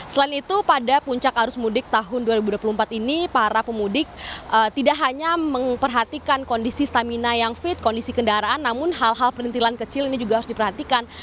selain itu pada puncak arus mudik tahun dua ribu dua puluh empat ini para pemudik tidak hanya memperhatikan kondisi stamina yang fit kondisi kendaraan namun hal hal perintilan kecil ini juga harus diperhatikan